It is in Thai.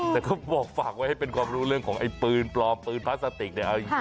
แต่ก็บอกฝากไว้ให้เป็นความรู้เรื่องของไอ้ปืนปลอมปืนพลาสติกเนี่ย